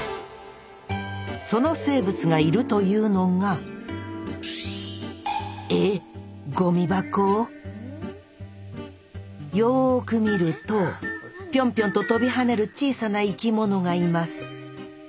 その生物がいるというのがよく見るとぴょんぴょんと跳びはねる小さな生きものがいます